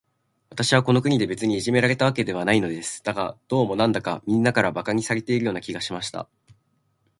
私はこの国で、別にいじめられたわけではないのです。だが、どうも、なんだか、みんなから馬鹿にされているような気がしました。